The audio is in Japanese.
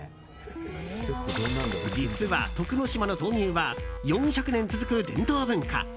実は徳之島の闘牛は４００年続く伝統文化。